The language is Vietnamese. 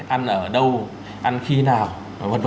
ăn ở đâu ăn khi nào v v